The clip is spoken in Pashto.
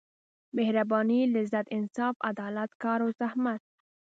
مهربانۍ لذت انصاف عدالت کار او زحمت.